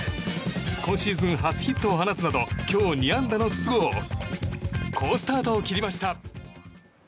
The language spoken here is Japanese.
今シーズン初ヒットを放つなど今日２安打の筒香好スタートを切りました。